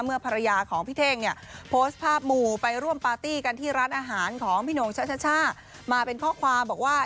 ภรรยาของพี่เท่งเนี่ยโพสต์ภาพหมู่ไปร่วมปาร์ตี้กันที่ร้านอาหารของพี่หน่งช่ามาเป็นข้อความบอกว่า